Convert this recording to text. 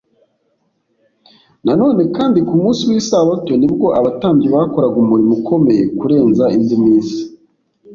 na none kandi, ku munsi w’isabato, ni bwo abatambyi bakoraga umurimo ukomeye kurenza indi minsi